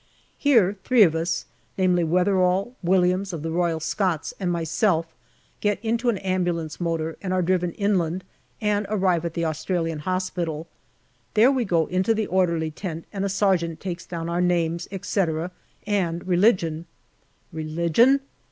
Here three of us namely Weatherall, Williams, of the Royal Scots, and my&lf get into an ambulance motor and are driven inland, and arrive at the Australian hospital. Then we go into the orderly tent, and a sergeant takes down our names, etc., and religion. Religion